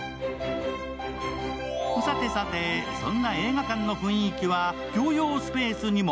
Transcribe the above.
さてさて、そんな映画館の雰囲気は共用スペースにも。